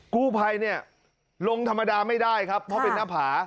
กู้ภัยเนี่ยลงธรรมดาไม่ได้ครับเพราะเป็นหน้าผา